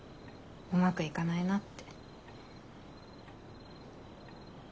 うまくいかないなって。